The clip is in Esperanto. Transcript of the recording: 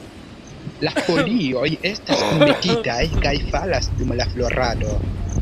La folioj estas kunmetitaj kaj falas dum la florado.